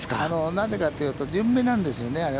何でかというと順目なんですよね。